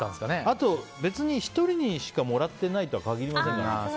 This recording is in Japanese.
あと、別に１人にしかもらってないとは限りませんから。